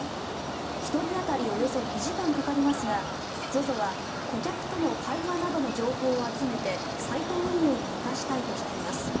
１人当たりおよそ２時間かかりますがＺＯＺＯは顧客との会話などの情報を集めてサイト運営に生かしたいとしています。